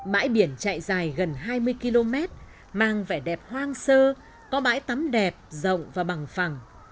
bãi biển chạy dài gần hai mươi km mang vẻ đẹp hoang sơ có bãi tắm đẹp rộng và bằng phẳng